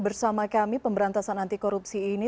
bersama kami pemberantasan anti korupsi ini